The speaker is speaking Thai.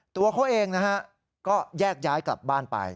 ตัวเขาเองนะฮะก็แยกย้ายกลับบ้านไป